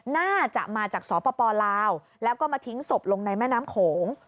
น่าจะมาจากสปลาวแล้วก็มาทิ้งศพลงในแม่น้ำโขง